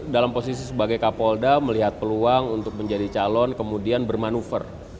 dalam posisi sebagai kapolda melihat peluang untuk menjadi calon kemudian bermanuver